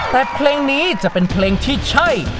แต่เพลงนี้จะเป็นเพลงที่ใช่